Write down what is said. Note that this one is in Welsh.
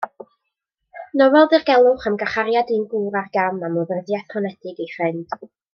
Nofel ddirgelwch am garchariad un gŵr ar gam am lofruddiaeth honedig ei ffrind.